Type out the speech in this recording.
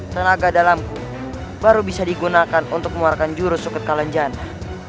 tenaga dalamku baru bisa digunakan untuk mengeluarkan jurus suket kalenjana